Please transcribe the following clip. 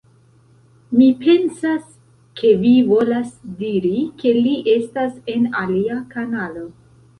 Mi pensas, ke vi volas diri, ke li estas en alia kanalo